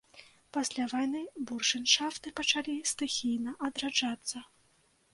Пасля вайны буршэншафты пачалі стыхійна адраджацца.